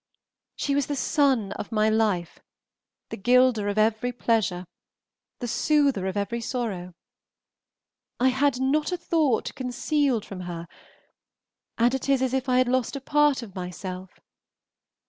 She was the sun of my life, the gilder of every pleasure, the soother of every sorrow; I had not a thought concealed from her, and it is as if I had lost a part of myself.